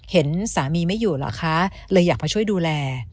เห็นสามีไม่อยู่เหรอคะเลยอยากมาช่วยดูแล